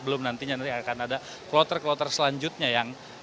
belum nantinya nanti akan ada kloter kloter selanjutnya yang